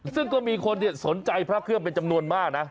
ซึ่งก็มีคนสนใจพระเครื่องเป็นจำนวนมากนะ